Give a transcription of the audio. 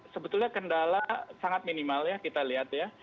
sebetulnya kendala sangat minimal ya kita lihat ya